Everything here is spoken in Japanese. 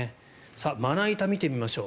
まな板、見てみましょう。